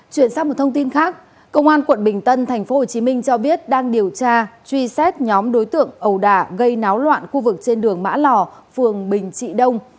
chuyển sang một thông tin khác công an quận bình tân tp hcm cho biết đang điều tra truy xét nhóm đối tượng ầu đà gây náo loạn khu vực trên đường mã lò phường bình trị đông